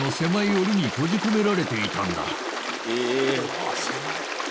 わあ狭い。